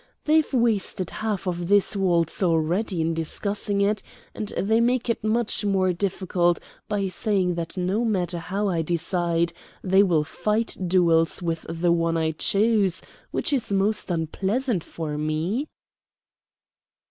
They've wasted half this waltz already in discussing it, and they make it much more difficult by saying that no matter how I decide, they will fight duels with the one I choose, which is most unpleasant for me."